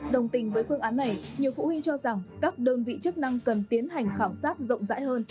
đồng tình với phương án này nhiều phụ huynh cho rằng các đơn vị chức năng cần tiến hành khảo sát rộng rãi hơn